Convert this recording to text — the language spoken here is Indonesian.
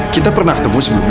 kita pernah ketemu sebelumnya